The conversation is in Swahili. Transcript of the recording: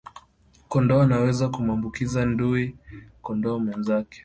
Kondoo anaweza kumuambukiza ndui kondoo mwenzake